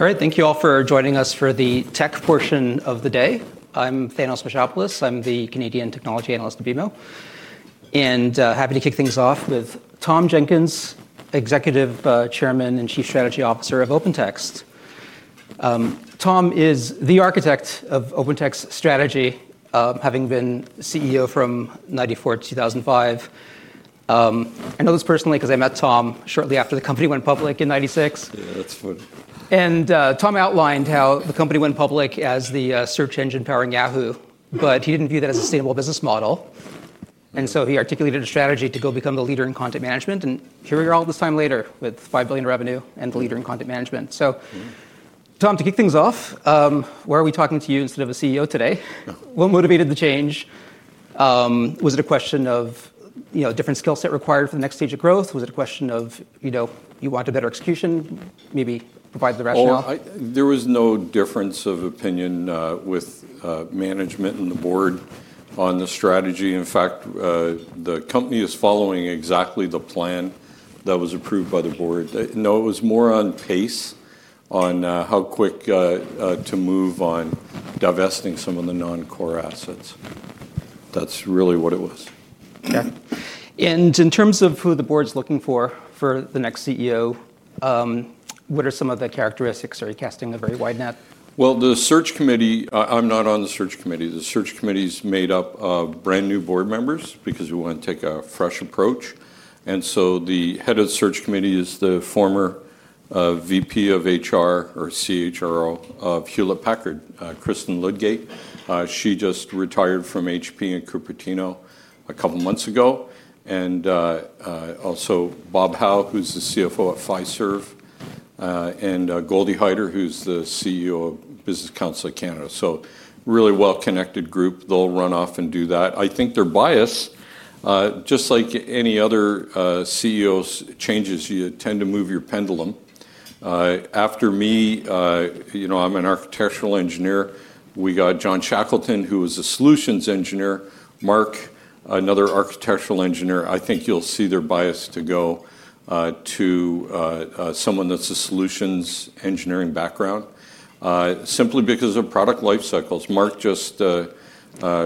All right, thank you all for joining us for the tech portion of the day. I'm Thanos Machopoulos. I'm the Canadian technology analyst at BMO. Happy to kick things off with Tom Jenkins, Executive Chairman and Chief Strategy Officer of OpenText. Tom is the architect of OpenText's strategy, having been CEO from 1994 to 2005. I know this personally because I met Tom shortly after the company went public in 1996. Yeah, that's fun. Tom outlined how the company went public as the search engine powering Yahoo, but he didn't view that as a sustainable business model. He articulated a strategy to go become the leader in content management. Here we are all this time later with $5 billion in revenue and the leader in content management. Tom, to kick things off, why are we talking to you instead of a CEO today? What motivated the change? Was it a question of a different skill set required for the next stage of growth? Was it a question of you wanted better execution, maybe provide the rationale? There was no difference of opinion with management and the board on the strategy. In fact, the company is following exactly the plan that was approved by the board. No, it was more on pace, on how quick to move on divesting some of the non-core assets. That's really what it was. In terms of who the board is looking for for the next CEO, what are some of the characteristics? Are you casting a very wide net? The search committee, I'm not on the search committee. The search committee is made up of brand new board members because we want to take a fresh approach. The head of the search committee is the former Chief Human Resources Officer of Hewlett Packard, Kristen Ludgate. She just retired from Hewlett Packard in Cupertino a couple of months ago. Also, Bob Howe, who's the Chief Financial Officer of Fiserv, and Goldie Haider, who's the CEO of Business Council of Canada. Really well-connected group. They'll run off and do that. I think they're biased. Just like any other CEO's changes, you tend to move your pendulum. After me, you know I'm an architectural engineer. We got John Shackleton, who was a solutions engineer, Mark, another architectural engineer. I think you'll see they're biased to go to someone that's a solutions engineering background, simply because of product life cycles. Mark just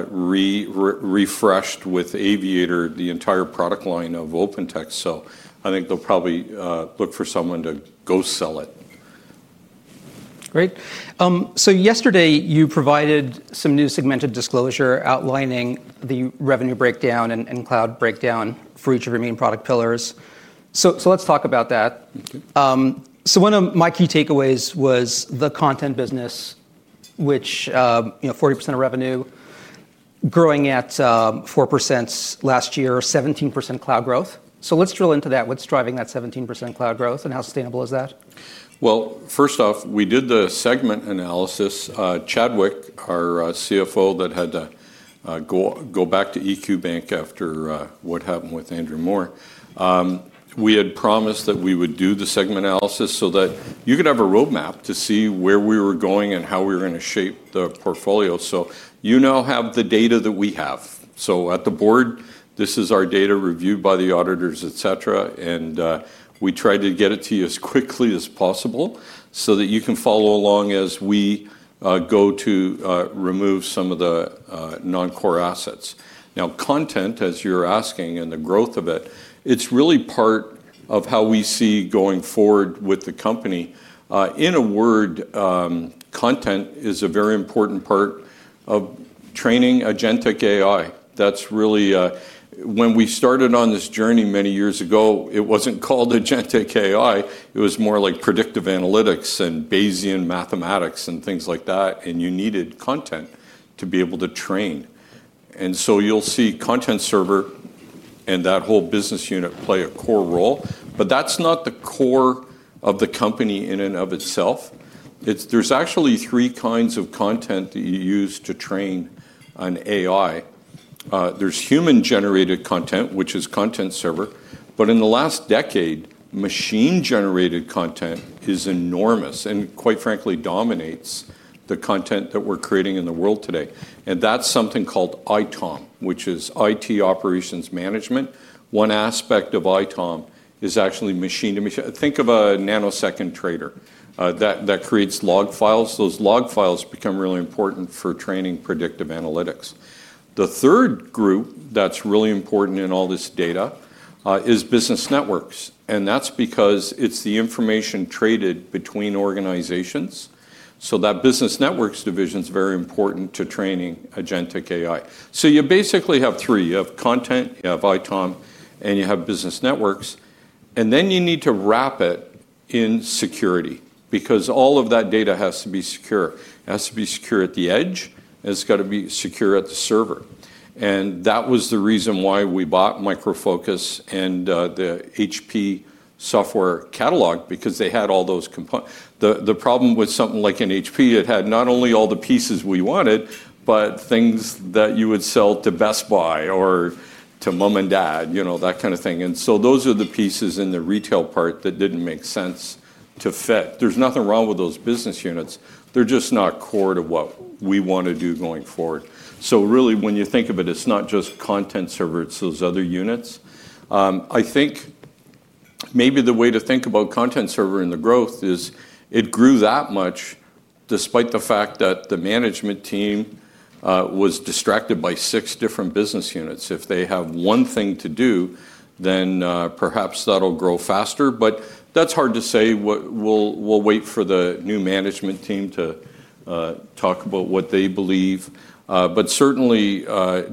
refreshed with Aviator the entire product line of OpenText. I think they'll probably look for someone to go sell it. Great. Yesterday, you provided some new segmented disclosure outlining the revenue breakdown and cloud breakdown for each of your main product pillars. Let's talk about that. One of my key takeaways was the content business, which is 40% of revenue, growing at 4% last year, 17% cloud growth. Let's drill into that. What's driving that 17% cloud growth and how sustainable is that? First off, we did the segment analysis. Chadwick, our CFO, had to go back to EQ Bank after what happened with Andrew Moore. We had promised that we would do the segment analysis so that you could have a roadmap to see where we were going and how we were going to shape the portfolio. You now have the data that we have. At the board, this is our data reviewed by the auditors, et cetera. We try to get it to you as quickly as possible so that you can follow along as we go to remove some of the non-core assets. Now, content, as you're asking, and the growth of it, it's really part of how we see going forward with the company. In a word, content is a very important part of training Agentic AI. That's really when we started on this journey many years ago, it wasn't called Agentic AI. It was more like predictive analytics and Bayesian mathematics and things like that. You needed content to be able to train. You'll see Content Server and that whole business unit play a core role, but that's not the core of the company in and of itself. There are actually three kinds of content that you use to train an AI. There's human-generated content, which is Content Server. In the last decade, machine-generated content is enormous and, quite frankly, dominates the content that we're creating in the world today. That's something called IT Operations Management, or ITOM. One aspect of ITOM is actually machine-to-machine. Think of a nanosecond trader that creates log files. Those log files become really important for training predictive analytics. The third group that's really important in all this data is business networks. That's because it's the information traded between organizations. That business networks division is very important to training Agentic AI. You basically have three. You have content, you have ITOM, and you have business networks. You need to wrap it in security because all of that data has to be secure. It has to be secure at the edge. It's got to be secure at the server. That was the reason why we bought Micro Focus and the HP software catalog, because they had all those components. The problem with something like an HP, it had not only all the pieces we wanted, but things that you would sell to Best Buy or to Mom and Dad, you know, that kind of thing. Those are the pieces in the retail part that didn't make sense to fit. There's nothing wrong with those business units. They're just not core to what we want to do going forward. Really, when you think of it, it's not just Content Server. It's those other units. I think maybe the way to think about Content Server and the growth is it grew that much despite the fact that the management team was distracted by six different business units. If they have one thing to do, then perhaps that'll grow faster. That's hard to say. We'll wait for the new management team to talk about what they believe. Certainly,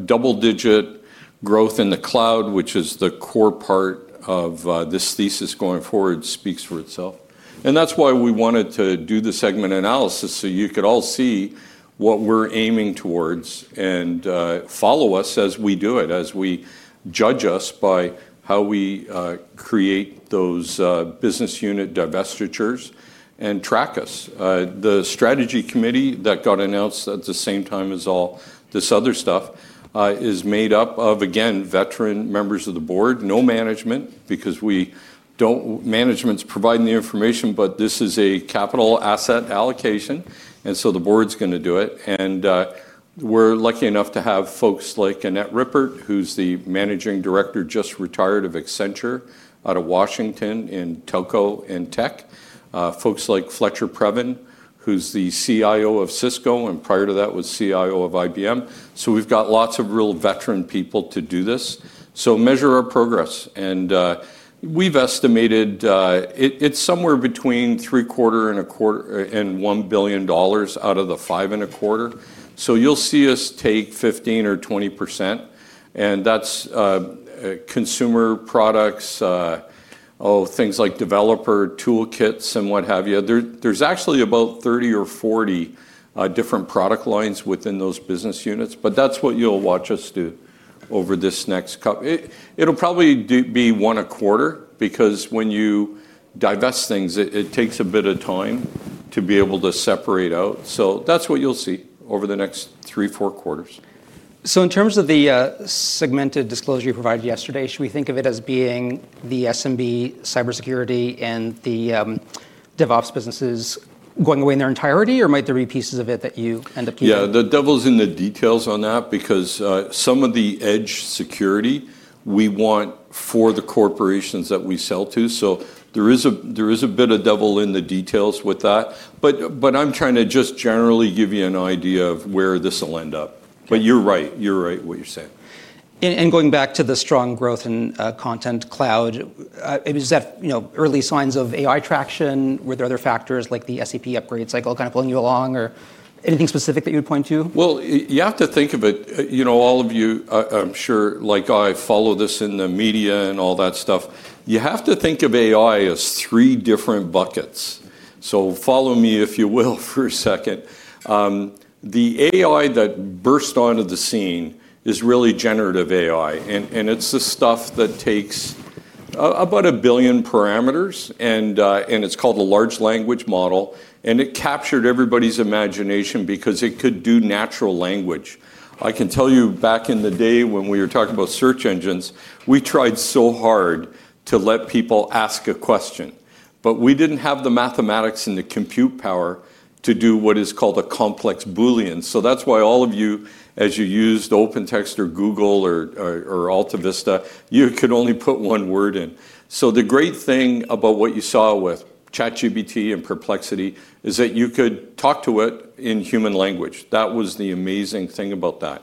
double-digit growth in the cloud, which is the core part of this thesis going forward, speaks for itself. That's why we wanted to do the segment analysis so you could all see what we're aiming towards and follow us as we do it, as we judge us by how we create those business unit divestitures and track us. The strategy committee that got announced at the same time as all this other stuff is made up of, again, veteran members of the board, no management, because management is providing the information. This is a capital asset allocation. The board's going to do it. We're lucky enough to have folks like Annette Rippert, who's the Managing Director, just retired of Accenture out of Washington in telco and tech. Folks like Fletcher Preben, who's the CIO of Cisco, and prior to that was CIO of IBM. We've got lots of real veteran people to do this. Measure our progress. We've estimated it's somewhere between three quarters and a quarter and $1 billion out of the five and a quarter. You'll see us take 15% or 20%. That's consumer products, things like developer toolkits and what have you. There's actually about 30 or 40 different product lines within those business units. That's what you'll watch us do over this next cup. It'll probably be one a quarter because when you divest things, it takes a bit of time to be able to separate out. That's what you'll see over the next three, four quarters. In terms of the segmented disclosure you provided yesterday, should we think of it as being the SMB cybersecurity and the DevOps businesses going away in their entirety? Might there be pieces of it that you end up keeping? Yeah, the devil's in the details on that because some of the edge security we want for the corporations that we sell to. There is a bit of devil in the details with that. I'm trying to just generally give you an idea of where this will end up. You're right. You're right what you're saying. Going back to the strong growth in content cloud, it was just have early signs of AI traction. Were there other factors like the SAP upgrade cycle kind of pulling you along, or anything specific that you would point to? You have to think of it. You know, all of you, I'm sure, like I follow this in the media and all that stuff. You have to think of AI as three different buckets. Follow me, if you will, for a second. The AI that burst onto the scene is really generative AI. It's the stuff that takes about a billion parameters. It's called a large language model. It captured everybody's imagination because it could do natural language. I can tell you, back in the day when we were talking about search engines, we tried so hard to let people ask a question. We didn't have the mathematics and the compute power to do what is called a complex Boolean. That's why all of you, as you used OpenText or Google or AltaVista, you could only put one word in. The great thing about what you saw with ChatGPT and Perplexity is that you could talk to it in human language. That was the amazing thing about that.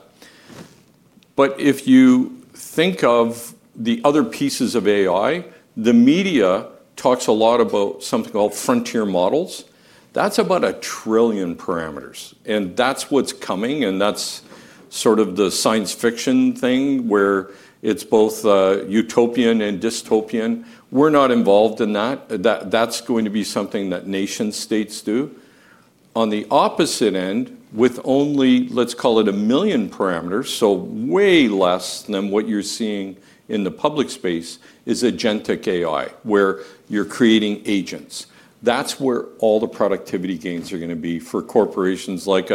If you think of the other pieces of AI, the media talks a lot about something called frontier models. That's about a trillion parameters. That's what's coming. That's sort of the science fiction thing where it's both utopian and dystopian. We're not involved in that. That's going to be something that nation-states do. On the opposite end, with only, let's call it, a million parameters, so way less than what you're seeing in the public space, is Agentic AI, where you're creating agents. That's where all the productivity gains are going to be for corporations like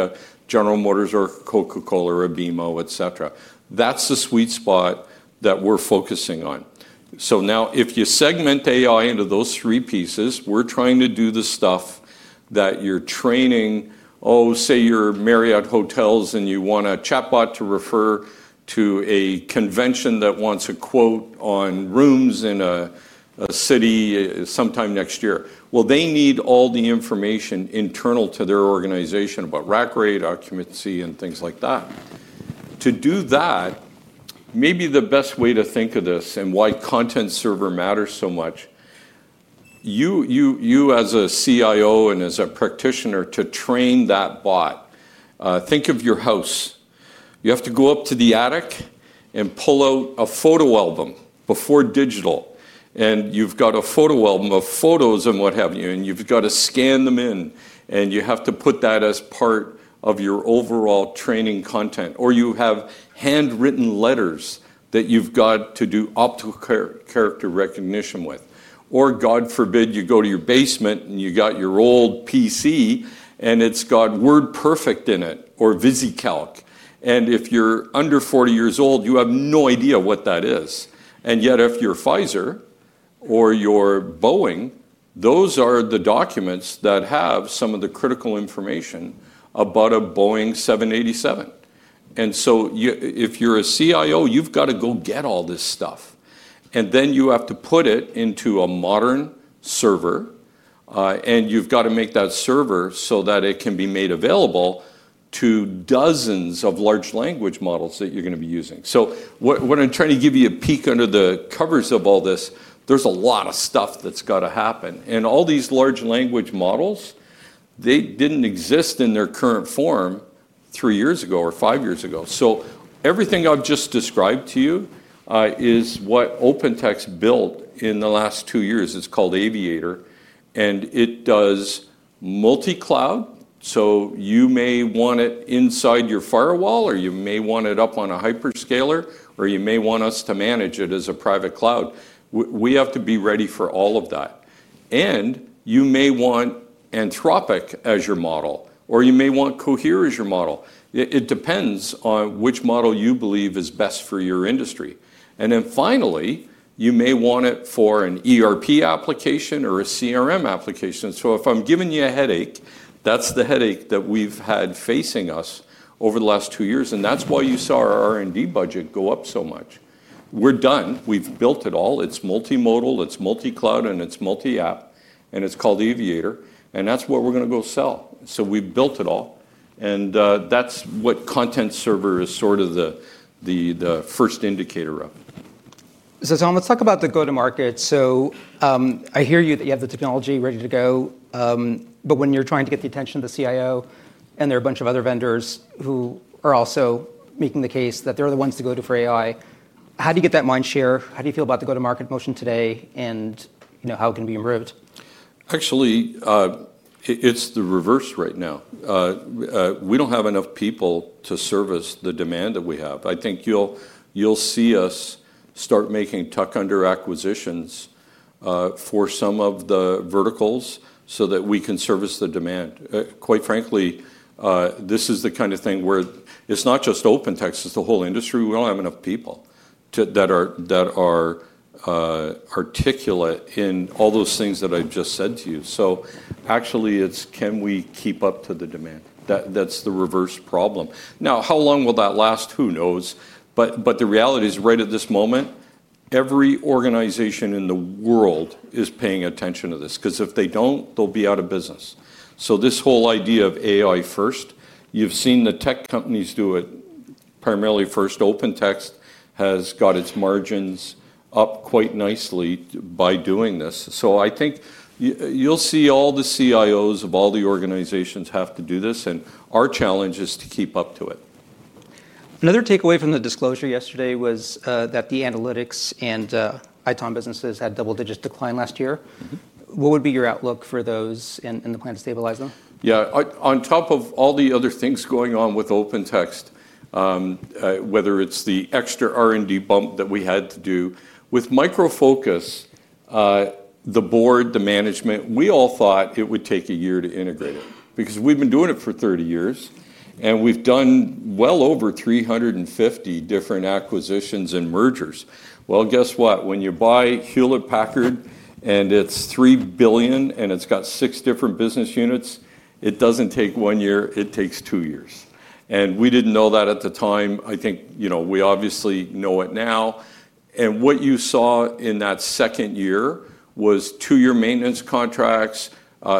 General Motors or Coca-Cola or BMO, et cetera. That's the sweet spot that we're focusing on. If you segment AI into those three pieces, we're trying to do the stuff that you're training, oh, say you're Marriott Hotels and you want a chatbot to refer to a convention that wants a quote on rooms in a city sometime next year. They need all the information internal to their organization about rack rate, occupancy, and things like that. To do that, maybe the best way to think of this and why content server matters so much, you, as a CIO and as a practitioner, to train that bot. Think of your house. You have to go up to the attic and pull out a photo album before digital. You've got a photo album of photos and what have you. You've got to scan them in. You have to put that as part of your overall training content. Or you have handwritten letters that you've got to do optical character recognition with. God forbid, you go to your basement and you've got your old PC and it's got WordPerfect in it or VisiCalc. If you're under 40 years old, you have no idea what that is. Yet, if you're Pfizer or you're Boeing, those are the documents that have some of the critical information about a Boeing 787. If you're a CIO, you've got to go get all this stuff. You have to put it into a modern server, and you've got to make that server so that it can be made available to dozens of large language models that you're going to be using. When I'm trying to give you a peek under the covers of all this, there's a lot of stuff that's got to happen. All these large language models didn't exist in their current form three years ago or five years ago. Everything I've just described to you is what OpenText built in the last two years. It's called OpenText Aviator, and it does multi-cloud. You may want it inside your firewall, or you may want it up on a hyperscaler, or you may want us to manage it as a private cloud. We have to be ready for all of that. You may want Anthropic as your model, or you may want Cohere as your model. It depends on which model you believe is best for your industry. Finally, you may want it for an ERP application or a CRM application. If I'm giving you a headache, that's the headache that we've had facing us over the last two years. That's why you saw our R&D budget go up so much. We're done. We've built it all. It's multimodal, it's multi-cloud, and it's multi-app. It's called OpenText Aviator, and that's what we're going to go sell. We've built it all, and that's what Content Server is sort of the first indicator of. Tom, let's talk about the go-to-market. I hear you that you have the technology ready to go. When you're trying to get the attention of the CIO and there are a bunch of other vendors who are also making the case that they're the ones to go to for AI, how do you get that mind share? How do you feel about the go-to-market motion today? How can it be improved? Actually, it's the reverse right now. We don't have enough people to service the demand that we have. I think you'll see us start making tuck-under acquisitions for some of the verticals so that we can service the demand. Quite frankly, this is the kind of thing where it's not just OpenText. It's the whole industry. We don't have enough people that are articulate in all those things that I just said to you. Actually, it's can we keep up to the demand? That's the reverse problem. Now, how long will that last? Who knows? The reality is right at this moment, every organization in the world is paying attention to this. Because if they don't, they'll be out of business. This whole idea of AI first, you've seen the tech companies do it primarily first. OpenText has got its margins up quite nicely by doing this. I think you'll see all the CIOs of all the organizations have to do this. Our challenge is to keep up to it. Another takeaway from the disclosure yesterday was that the analytics and IT Operations Management businesses had double-digit decline last year. What would be your outlook for those and the plan to stabilize them? Yeah, on top of all the other things going on with OpenText, whether it's the extra R&D bump that we had to do with Micro Focus, the board, the management, we all thought it would take a year to integrate it because we've been doing it for 30 years. We've done well over 350 different acquisitions and mergers. Guess what? When you buy Hewlett Packard and it's $3 billion and it's got six different business units, it doesn't take one year. It takes two years. We didn't know that at the time. I think we obviously know it now. What you saw in that second year was two-year maintenance contracts.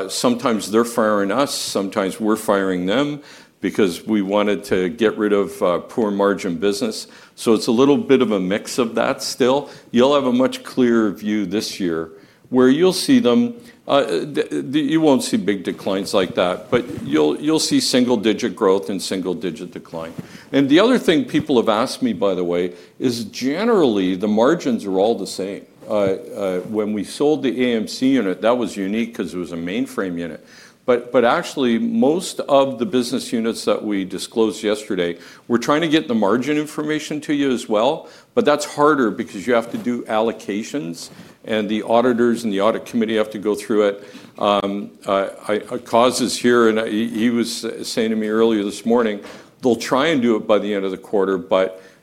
Sometimes they're firing us. Sometimes we're firing them because we wanted to get rid of poor margin business. It's a little bit of a mix of that still. You'll have a much clearer view this year where you'll see them. You won't see big declines like that. You'll see single-digit growth and single-digit decline. The other thing people have asked me, by the way, is generally, the margins are all the same. When we sold the AMC unit, that was unique because it was a mainframe unit. Actually, most of the business units that we disclosed yesterday, we're trying to get the margin information to you as well. That's harder because you have to do allocations. The auditors and the audit committee have to go through it. I cause this here. He was saying to me earlier this morning, they'll try and do it by the end of the quarter.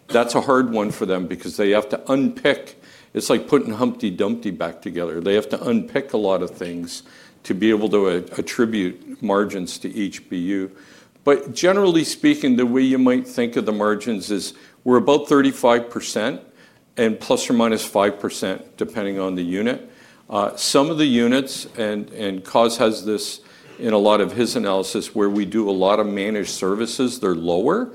That's a hard one for them because they have to unpick. It's like putting Humpty Dumpty back together. They have to unpick a lot of things to be able to attribute margins to each BU. Generally speaking, the way you might think of the margins is we're about 35%, plus or minus 5% depending on the unit. Some of the units, and Coz has this in a lot of his analysis, where we do a lot of managed services, they're lower.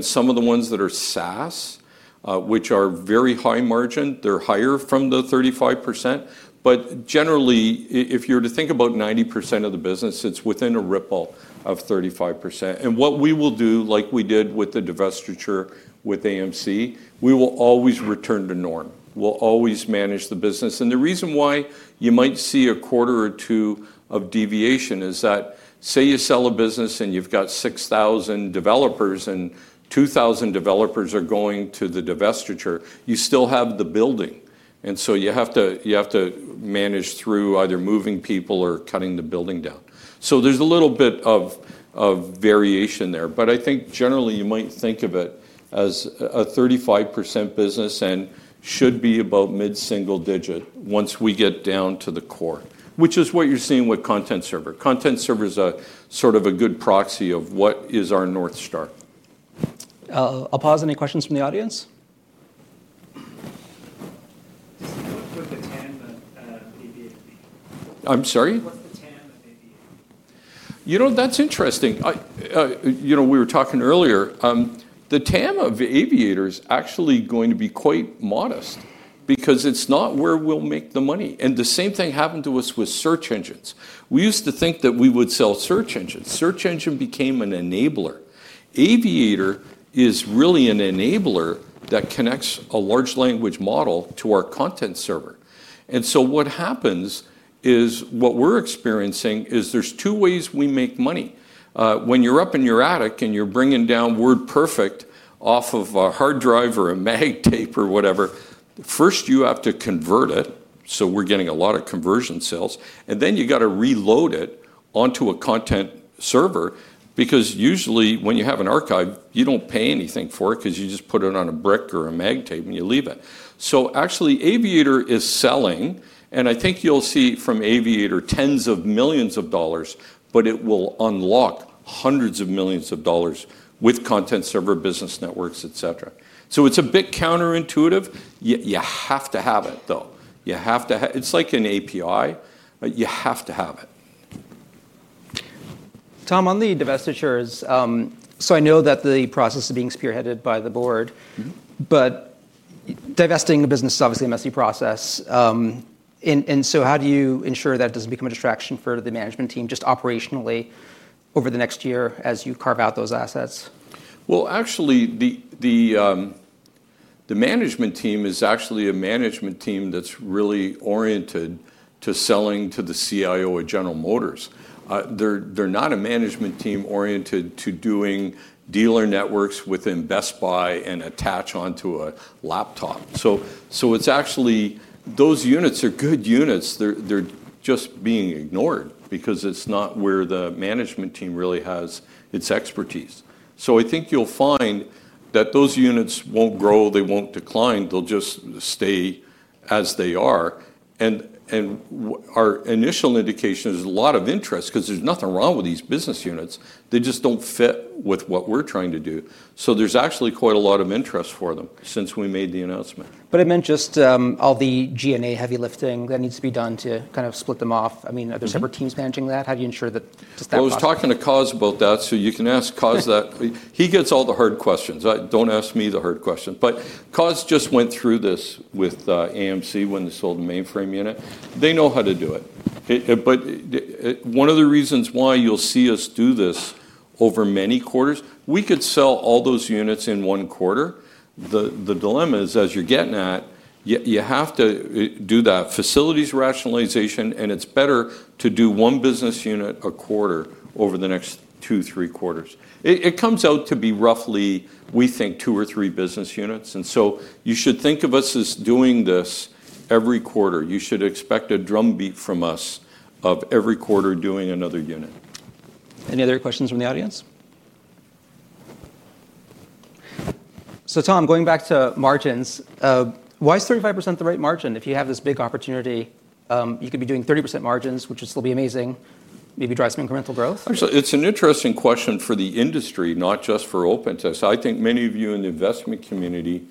Some of the ones that are SaaS, which are very high margin, they're higher from the 35%. Generally, if you were to think about 90% of the business, it's within a ripple of 35%. What we will do, like we did with the divestiture with AMC, we will always return to norm. We'll always manage the business. The reason why you might see a quarter or two of deviation is that, say you sell a business and you've got 6,000 developers and 2,000 developers are going to the divestiture, you still have the building. You have to manage through either moving people or cutting the building down. There is a little bit of variation there. I think generally, you might think of it as a 35% business and it should be about mid-single digit once we get down to the core, which is what you're seeing with Content Server. Content Server is sort of a good proxy of what is our North Star. I'll pause. Any questions from the audience? That's interesting. We were talking earlier. The TAM of Aviator is actually going to be quite modest because it's not where we'll make the money. The same thing happened to us with search engines. We used to think that we would sell search engines. Search engines became an enabler. Aviator is really an enabler that connects a large language model to our content server. What happens is there's two ways we make money. When you're up in your attic and you're bringing down WordPerfect off of a hard drive or a mag tape or whatever, first, you have to convert it. We're getting a lot of conversion sales. Then you've got to reload it onto a content server because usually, when you have an archive, you don't pay anything for it because you just put it on a brick or a mag tape and you leave it. Actually, Aviator is selling. I think you'll see from Aviator tens of millions of dollars. It will unlock hundreds of millions of dollars with content server, business networks, et cetera. It's a bit counterintuitive. You have to have it, though. You have to have it. It's like an API. You have to have it. Tom, on the divestitures, I know that the process is being spearheaded by the board. Divesting a business is obviously a messy process. How do you ensure that it doesn't become a distraction for the management team just operationally over the next year as you carve out those assets? The management team is actually a management team that's really oriented to selling to the CIO at General Motors. They're not a management team oriented to doing dealer networks within Best Buy and attach onto a laptop. It's actually those units are good units. They're just being ignored because it's not where the management team really has its expertise. I think you'll find that those units won't grow, they won't decline, they'll just stay as they are. Our initial indication is a lot of interest because there's nothing wrong with these business units. They just don't fit with what we're trying to do. There's actually quite a lot of interest for them since we made the announcement. It meant just all the G&A heavy lifting that needs to be done to kind of split them off. I mean, are there separate teams managing that? How do you ensure that? I was talking to Coz about that. You can ask Coz that. He gets all the hard questions. Don't ask me the hard questions. Coz just went through this with AMC when they sold the mainframe unit. They know how to do it. One of the reasons why you'll see us do this over many quarters is, we could sell all those units in one quarter. The dilemma is, as you're getting at, you have to do that facilities rationalization. It's better to do one business unit a quarter over the next two or three quarters. It comes out to be roughly, we think, two or three business units. You should think of us as doing this every quarter. You should expect a drumbeat from us of every quarter doing another unit. Any other questions from the audience? Tom, going back to margins, why is 35% the right margin if you have this big opportunity? You could be doing 30% margins, which would still be amazing. Maybe drive some incremental growth. Actually, it's an interesting question for the industry, not just for OpenText. I think many of you in the investment community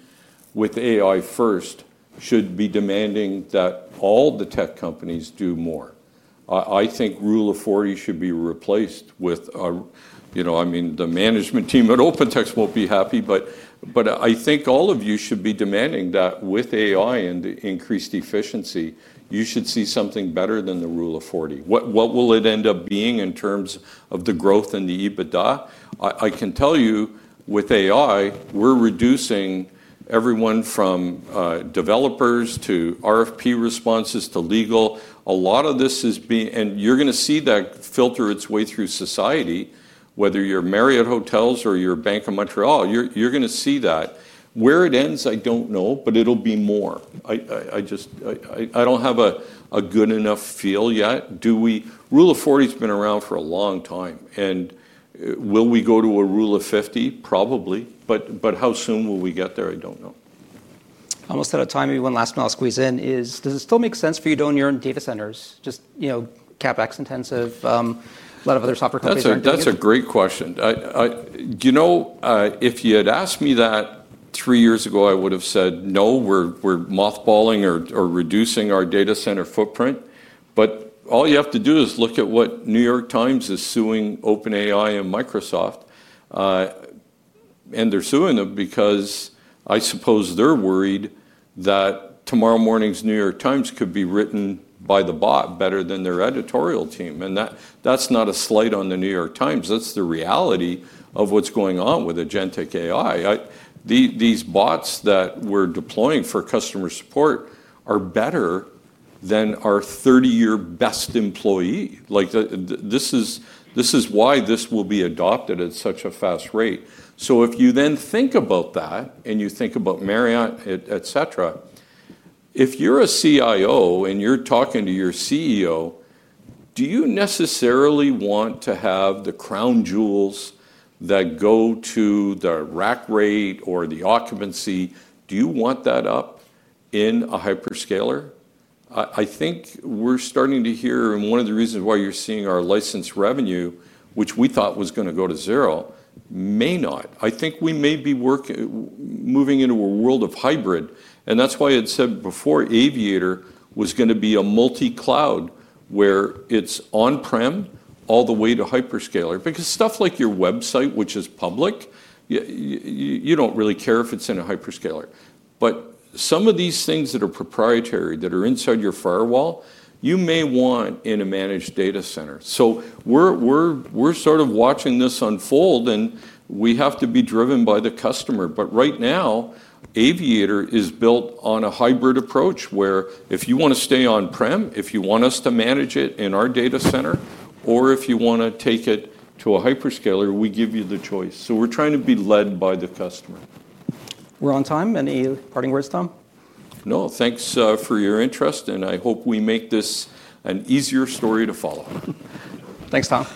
with AI first should be demanding that all the tech companies do more. I think Rule of 40 should be replaced with, you know, I mean, the management team at OpenText won't be happy. I think all of you should be demanding that with AI and increased efficiency, you should see something better than the Rule of 40. What will it end up being in terms of the growth and the EBITDA? I can tell you with AI, we're reducing everyone from developers to RFP responses to legal. A lot of this is being, and you're going to see that filter its way through society, whether you're Marriott Hotels or you're Bank of Montreal. You're going to see that. Where it ends, I don't know. It'll be more. I just, I don't have a good enough feel yet. Rule of 40 has been around for a long time. Will we go to a Rule of 50? Probably. How soon will we get there? I don't know. Almost out of time. Maybe one last one I'll squeeze in is, does it still make sense for you to own your own data centers? Just, you know, CapEx intensive, a lot of other software companies are in. That's a great question. You know, if you had asked me that three years ago, I would have said, no, we're mothballing or reducing our data center footprint. All you have to do is look at what New York Times is suing OpenAI and Microsoft. They're suing them because I suppose they're worried that tomorrow morning's New York Times could be written by the bot better than their editorial team. That's not a slight on the New York Times. That's the reality of what's going on with Agentic AI. These bots that we're deploying for customer support are better than our 30-year best employee. This is why this will be adopted at such a fast rate. If you then think about that and you think about Marriott, et cetera, if you're a CIO and you're talking to your CEO, do you necessarily want to have the crown jewels that go to the rack rate or the occupancy? Do you want that up in a hyperscaler? I think we're starting to hear, and one of the reasons why you're seeing our licensed revenue, which we thought was going to go to zero, may not. I think we may be moving into a world of hybrid. That's why I had said before Aviator was going to be a multi-cloud where it's on-prem all the way to hyperscaler. Stuff like your website, which is public, you don't really care if it's in a hyperscaler. Some of these things that are proprietary that are inside your firewall, you may want in a managed data center. We're sort of watching this unfold. We have to be driven by the customer. Right now, Aviator is built on a hybrid approach where if you want to stay on-prem, if you want us to manage it in our data center, or if you want to take it to a hyperscaler, we give you the choice. We're trying to be led by the customer. We're on time. Any parting words, Tom? No, thanks for your interest. I hope we make this an easier story to follow. Thanks, Tom.